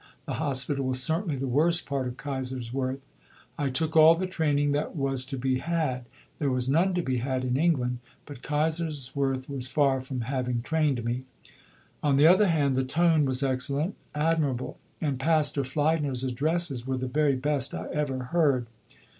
The hospital was certainly the worst part of Kaiserswerth. I took all the training that was to be had there was none to be had in England, but Kaiserswerth was far from having trained me." On the other hand "the tone was excellent, admirable. And Pastor Fliedner's addresses were the very best I ever heard.